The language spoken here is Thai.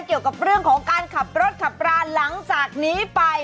เกี่ยวกับเรื่องของการขับรถขับราหลังจากนี้ไป